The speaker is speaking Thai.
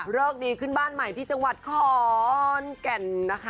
เลิกดีขึ้นบ้านใหม่ที่จังหวัดขอนแก่น